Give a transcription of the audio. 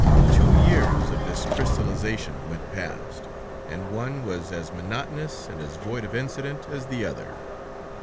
Two years of this crystallization went past, and one was as monotonous, and as void of incident, as the other.